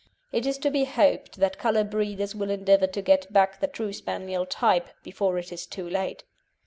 It is to be hoped that colour breeders will endeavour to get back the true Spaniel type before it is too late.